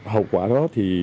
hậu quả đó thì